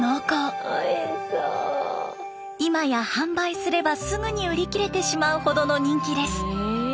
今や販売すればすぐに売り切れてしまうほどの人気です。